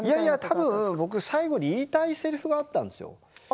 多分、僕言いたいせりふがあったんですよ。